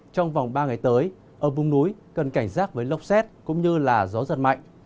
trong vòng ba ngày tới ở vùng núi cần cảnh giác với lốc xét cũng như gió giật mạnh